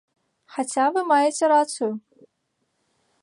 Хаця вы маеце рацыю.